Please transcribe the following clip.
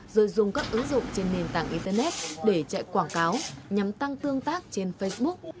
rồi dùng các ứng dụng trên nền tảng internet để chạy quảng cáo nhằm tăng tương tác trên facebook